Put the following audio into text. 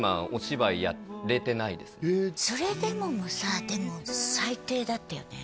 「それでも」もさあでも最低だったよね？